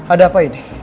ada apa ini